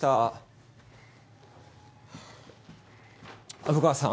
虻川さん？